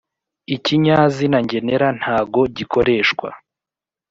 ikinyazina ngenera ntago gikoreshwa